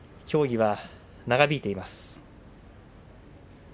協議が長引いています。